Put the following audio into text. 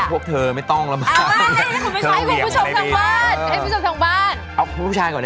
นี่มันเป็นคนที่รักเขาก็สามารถปฏิซักอย่าง